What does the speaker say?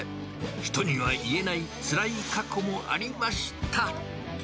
人には言えないつらい過去もありました。